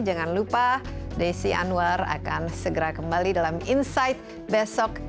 jangan lupa desi anwar akan segera kembali dalam insight besok